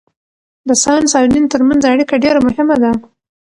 د ساینس او دین ترمنځ اړیکه ډېره مهمه ده.